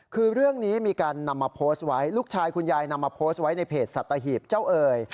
คือเรื่องนี้มีการนำมาโพสต์ไว้ลูกชายคุณยายนำมาโพสต์ไว้ในเพจสัตหีบเจ้าเอ่ย